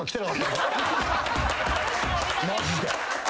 マジで。